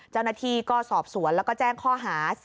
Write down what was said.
เจ้าหน้าที่ก็สอบสวนแล้วก็แจ้งข้อหา